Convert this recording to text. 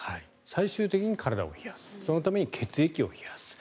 最終的に体を冷やすそのために血液を冷やす。